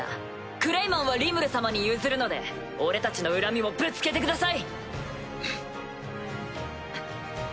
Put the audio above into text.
クレイマンはリムル様に譲るので俺たちの恨みもぶつけてください！